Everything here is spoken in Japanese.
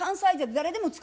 誰でも。